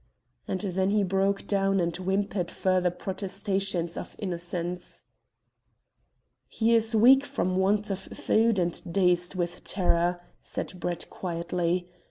And then he broke down and whimpered further protestations of innocence. "He is weak from want of food, and dazed with terror," said Brett quietly.